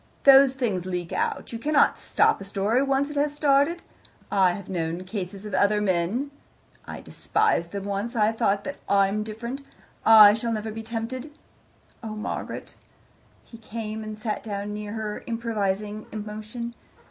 "Those things leak out; you cannot stop a story once it has started. I have known cases of other men I despised them once, I thought that I'M different, I shall never be tempted. Oh, Margaret " He came and sat down near her, improvising emotion.